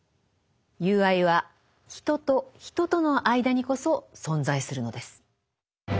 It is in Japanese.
友愛は人と人との間にこそ存在するのです。